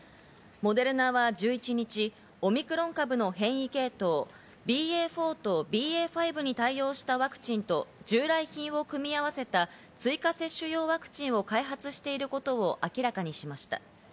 モデルナは１１日、オミクロン株の変異系統、ＢＡ．４とＢＡ．５に対応したワクチンと、従来品を組み合わせた追加接種用ワクチンを開発していること明らかにしました。